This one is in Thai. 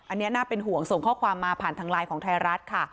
อันนี้น่าเป็นห่วงส่งข้อความมาผ่านทางไลน์ของไทยรัฐค่ะ